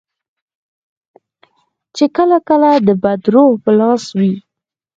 چې کله کله د بد روح پر لاس وي.